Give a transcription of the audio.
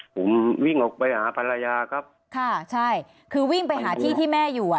ผมวิ่งออกไปหาภรรยาครับค่ะใช่คือวิ่งไปหาที่ที่แม่อยู่อ่ะ